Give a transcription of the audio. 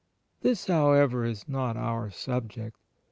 This, however, is not our subject.